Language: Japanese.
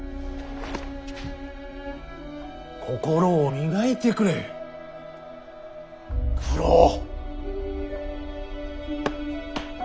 心を磨いてくれ九郎。